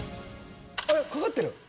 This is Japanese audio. あれ⁉かかってる！